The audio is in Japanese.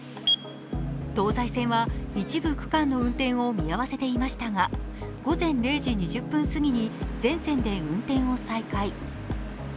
東西線は一部区間の運転を見合わせていましたが午前０時２０分すぎに全線で運転を再開。